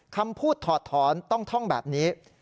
คำพูดถอดถอนต้องท่องแบบนี้